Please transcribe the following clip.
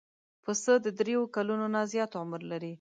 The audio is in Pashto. پسه د درېیو کلونو نه زیات عمر لري.